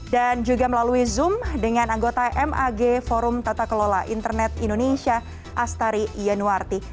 dan juga melalui zoom dengan anggota mag forum tata kelola internet indonesia astari iyanuarti